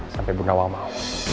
sampai bunda wang mau